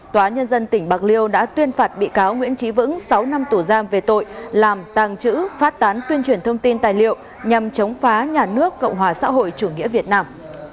tòa nhân dân tỉnh bạc liêu đã tuyên phạt bị cáo nguyễn trí vững sáu năm tù giam về tội làm tàng trữ phát tán tuyên truyền thông tin tài liệu nhằm chống phá nhà nước cộng hòa xã hội chủ nghĩa việt nam